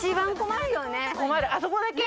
あそこだけ。